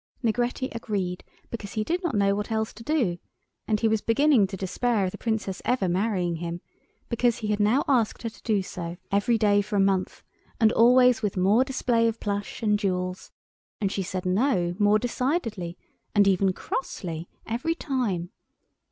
Negretti agreed, because he did not know what else to do, and he was beginning to despair of the Princess ever marrying him, because he had now asked her to do so every day for a month, and always with more display of plush and jewels, and she said "No" more decidedly, and even crossly, every time.